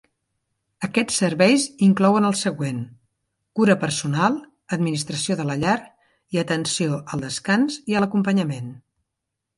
Aquests serveis inclouen el següent: cura personal, administració de la llar i atenció al descans i a l'acompanyament.